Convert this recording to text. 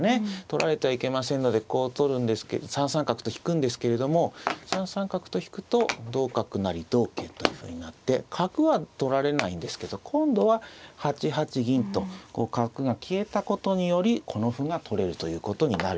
取られちゃいけませんのでこう取るんですけど３三角と引くんですけれども３三角と引くと同角成同桂というふうになって角は取られないんですけど今度は８八銀と角が消えたことによりこの歩が取れるということになるわけです。